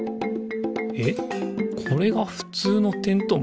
えっこれがふつうのてんとう